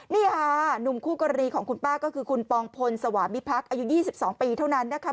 นี่ค่ะหนุ่มคู่กรณีของคุณป้าก็คือคุณปองพลสวามิพักษ์อายุ๒๒ปีเท่านั้นนะคะ